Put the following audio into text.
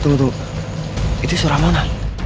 tunggu itu suara mona